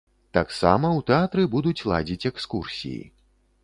Таксама ў тэатры будуць ладзіць экскурсіі.